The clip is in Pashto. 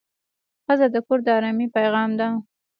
ښځه د کور د ارامۍ پېغام ده.